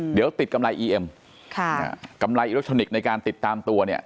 เดี๋ยวติดกำไรอีเอ็มค่ะกำไรอิเล็กทรอนิกส์ในการติดตามตัวเนี่ย